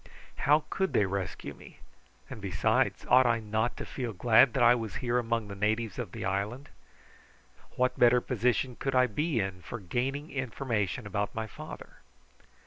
How could they rescue me, and, besides, ought I not to feel glad that I was here among the natives of the island? What better position could I be in for gaining information about my father?